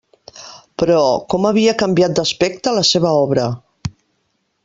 Però com havia canviat d'aspecte la seva obra!